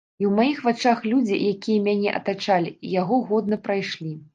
І ў маіх вачах людзі, якія мяне атачалі, яго годна прайшлі.